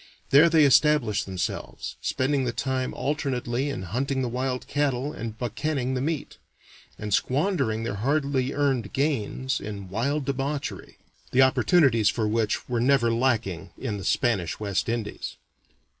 There they established themselves, spending the time alternately in hunting the wild cattle and buccanning the meat, and squandering their hardly earned gains in wild debauchery, the opportunities for which were never lacking in the Spanish West Indies.